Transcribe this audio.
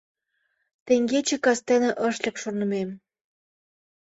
«Теҥгече кастене ыш лек шонымем...»